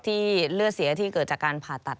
เลือดเสียที่เกิดจากการผ่าตัด